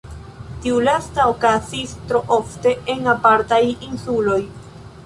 Tiu lasta okazis tro ofte en apartaj insuloj.